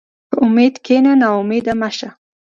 په امید کښېنه، ناامیده مه شه.